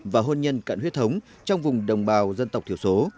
và hôn nhân cận huyết thống trong vùng đồng bào dân tộc thiểu số